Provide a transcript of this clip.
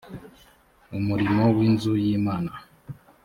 umurimo w inzu y imana